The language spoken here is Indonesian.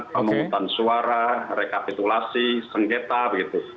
pemungutan suara rekapitulasi sengketa begitu